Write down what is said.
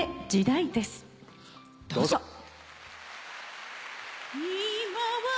どうぞ。